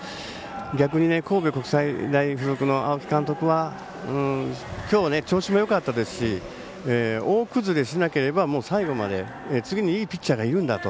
逆に神戸国際大付属の青木監督は今日、調子がよかったですし大崩れしなければ最後まで次にいいピッチャーがいるんだと。